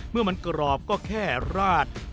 เมื่อมันกรอบก็แค่ราด